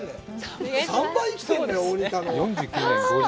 ３倍生きてるんだよ、大仁田の。